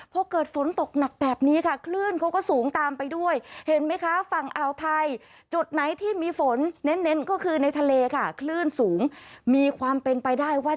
พอเกิดฝนตกหนักแบบนี้ค่ะคลื่นเขาก็สูงตามไปด้วย